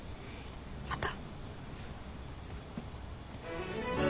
また。